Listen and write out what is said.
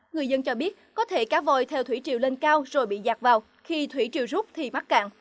người dân cho biết có thể cá vòi theo thủy triều lên cao rồi bị giạt vào khi thủy triều rút thì mắc cạn